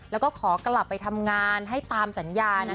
แล้วก็ขอกลับไปทำงานให้ตามสัญญานะ